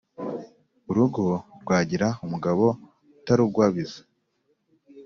urugo rwagira umugabo utarugwabiza.